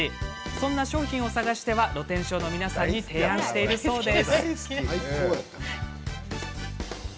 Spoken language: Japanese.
そんな商品を探しては露天商の皆さんに提案しているそうです。